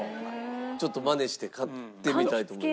ちょっとマネして買ってみたいと思います。